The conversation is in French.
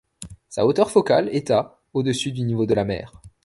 Sa hauteur focale est à au-dessus du niveau de la mer.